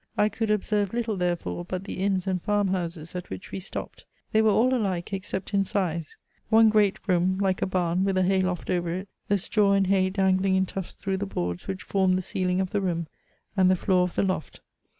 I could observe little therefore, but the inns and farmhouses at which we stopped. They were all alike, except in size: one great room, like a barn, with a hay loft over it, the straw and hay dangling in tufts through the boards which formed the ceiling of the room, and the floor of the loft.